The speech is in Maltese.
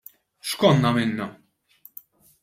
X'konna għamilna?